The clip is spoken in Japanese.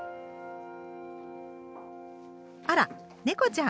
あら猫ちゃん。